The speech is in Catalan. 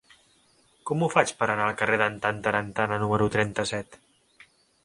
Com ho faig per anar al carrer d'en Tantarantana número trenta-set?